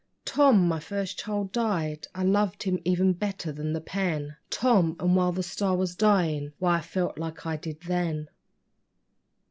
Tom, my first child died. I loved her even better than the pen Tom and while the STAR was dying, why, I felt like I did THEN.